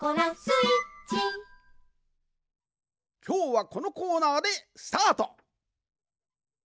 きょうはこのコーナーでスタート。